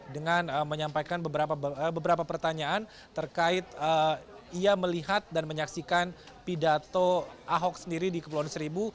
dengan menyampaikan beberapa pertanyaan terkait ia melihat dan menyaksikan pidato ahok sendiri di kepulauan seribu